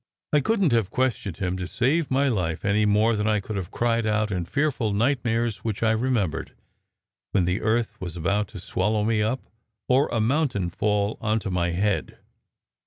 I couldn t have questioned him to save my life, any more than I could have cried out in fearful nightmares which I remembered, when the earth was about to swallow me up, or a mountain fall on to my head.